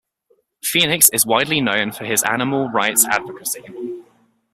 Phoenix is widely known for his animal rights advocacy.